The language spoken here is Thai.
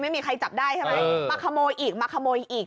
ไม่มีใครจับได้ใช่ไหมมาขโมยอีกมาขโมยอีก